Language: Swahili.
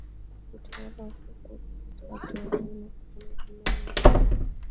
Utawala wa sasa ulikataa hatua hii na kusema kwamba ni mbaya